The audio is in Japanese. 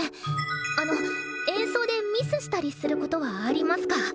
あの演奏でミスしたりすることはありますか？